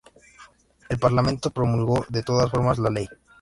El Parlamento promulgó de todas formas la ley.